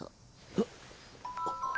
あっ！